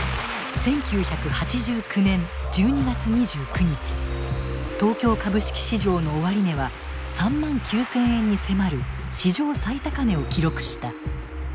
１９８９年１２月２９日東京株式市場の終値は３万９，０００円に迫る史上最高値を記録した。